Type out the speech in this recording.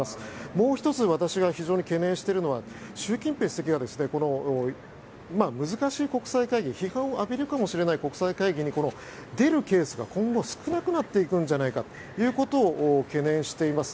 もう１つ私が非常に懸念してるのは習近平主席が難しい国際会議批判を浴びるかもしれない国際会議に出るケースが今後、少なくなっていくんじゃないかということを懸念しています。